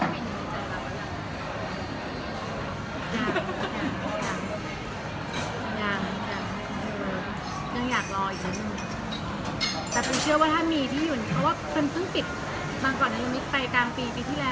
มีเรื่องที่ช่องมีนอยู่หรือยังครับสำหรับทุกเรื่องนี้มีเรื่องที่ช่องมีนอยู่ในใจหรือเปล่า